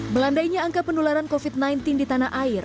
melandainya angka penularan covid sembilan belas di tanah air